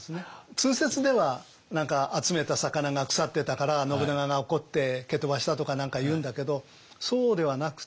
通説では集めた魚が腐ってたから信長が怒って蹴飛ばしたとか何かいうんだけどそうではなくて。